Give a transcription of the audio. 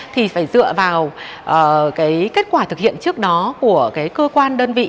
thì phải dựa vào kết quả thực hiện trước đó của cơ quan đơn vị